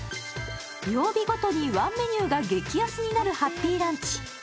曜日ごとに１メニューが激安になるハッピ−ランチ。